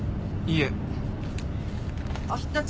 いえ。